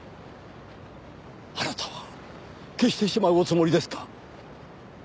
あなたは消してしまうおつもりですか？